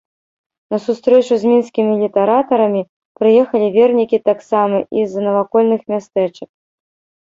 На сустрэчу з мінскімі літаратарамі прыехалі вернікі таксама і з навакольных мястэчак.